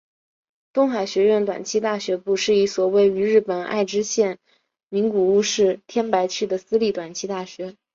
东海学园短期大学部是一所位于日本爱知县名古屋市天白区的私立短期大学。